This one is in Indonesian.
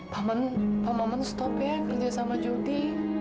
pak maman pak maman stop ya kerja sama jodi